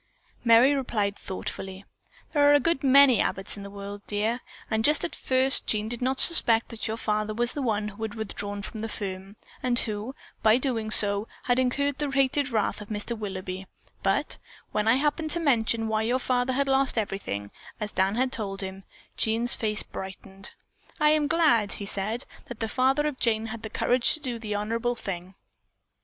Merry replied thoughtfully: "There are a good many Abbotts in the world, dear, and just at first Jean did not suspect that your father was the one who had withdrawn from the firm, and who, by so doing, had incurred the hatred and wrath of Mr. Willoughby, but, when I happened to mention why your father had lost everything, as Dan had told him, Jean's face brightened. 'I am glad,' he said, 'that the father of Jane had the courage to do the honorable thing.'